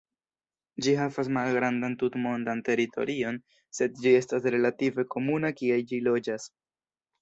Ĝi havas malgrandan tutmondan teritorion sed ĝi estas relative komuna kie ĝi loĝas.